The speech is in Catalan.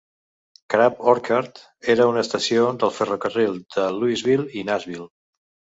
Crab Orchard era una estació del ferrocarril de Louisville i Nashville.